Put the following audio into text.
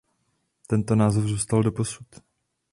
Tento název zůstal doposud.